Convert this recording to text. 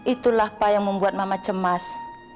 itulah pak yang membuat mama cemas